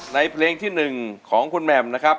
เพลงที่๑ของคุณแหม่มนะครับ